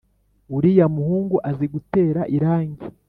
Uriya muhungu azi gutera irangi